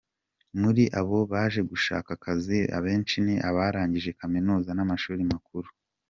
Muri abo baje gushaka akazi abenshi ni abarangije za kaminuza n’amashuri makuru.